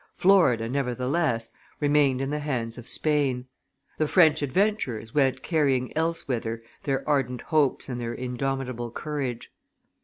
Florida, nevertheless, remained in the hands of Spain; the French adventurers went carrying elsewhither their ardent hopes and their indomitable courage.